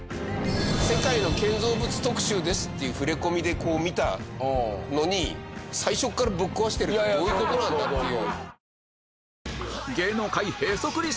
「世界の建造物特集です」っていう触れ込みでこう見たのに最初からぶっ壊してるってどういう事なんだっていう。